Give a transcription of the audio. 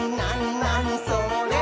なにそれ？」